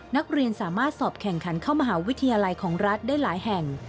นักเรียนสามารถสอบแข่งขันเข้ามหาวิทยาลัยของรัฐได้หลายแห่ง